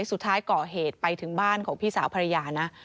ก่อเหตุไปถึงบ้านของพี่สาวภรรยานะ